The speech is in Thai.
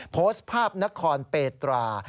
โพสต์ภาพนครเปตรา